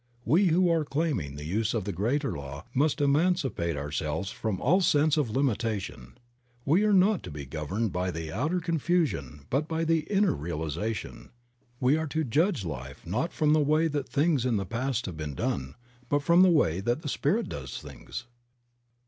We who are claiming the use of the greater law must emancipate ourselves from all sense of limitation. We are not to be governed by the outer confusion but by the inner realization. We are to judge life not from the way that things in the past have been done, but from the way that the Spirit does things.